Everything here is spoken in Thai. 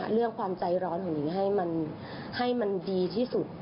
เรื่องความใจร้อนของหนิงให้มันดีที่สุด